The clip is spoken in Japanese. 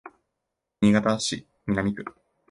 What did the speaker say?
新潟市南区